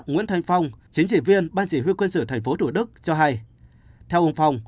nguyễn thanh phong chính trị viên ban chỉ huy quân sự tp thủ đức cho hay theo ông phong